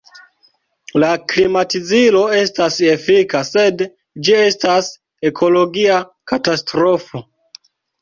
La klimatizilo estas efika, sed ĝi estas ekologia katastrofo.